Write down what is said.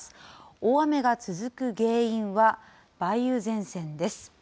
大雨が続く原因は、梅雨前線です。